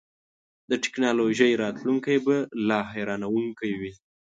د ټیکنالوژۍ راتلونکی به لا حیرانوونکی وي.